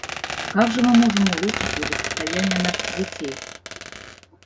Как же мы можем улучшить благосостояние наших детей?